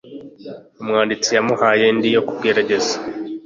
umwanditsi yamuhaye indi yo kugerageza